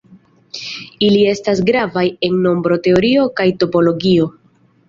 Ili estas gravaj en nombroteorio kaj topologio.